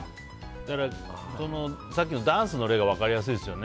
だから、さっきのダンスの例が分かりやすいですよね。